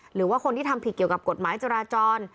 หรือว่าคนที่ทำผิดเกี่ยวกับกฎหมายจราจร